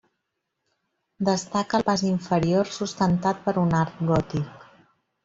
Destaca el pas inferior, sustentat per un arc gòtic.